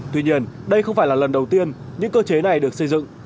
tuy nhiên đây không phải là lần đầu tiên những cơ chế này được xây dựng